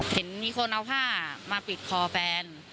เห็นมีคนเอาผ้ามาปิดคอแฟน